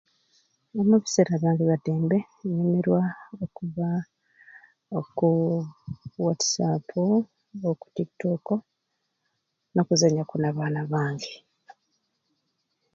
Omu biseera bya dembe nyumirwa okuba ok whatsup oku tiktok nokuzenyaku n'abaana bange